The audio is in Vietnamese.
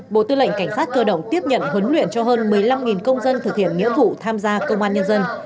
bộ tư lệnh cảnh sát cơ động tiếp nhận huấn luyện cho hơn một mươi năm công dân thực hiện nghĩa vụ tham gia công an nhân dân